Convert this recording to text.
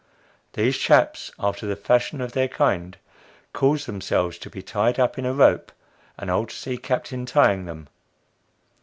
These chaps, after the fashion of their kind, caused themselves to be tied up in a rope, an old sea captain tying them.